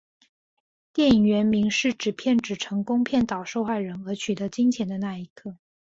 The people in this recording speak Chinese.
电影原名是指骗子成功骗倒受害人而取得金钱的那一刻。